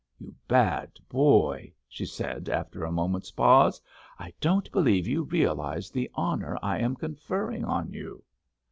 You bad boy," she said, after a moment's pause, "I don't believe you realise the honour I am conferring on you!"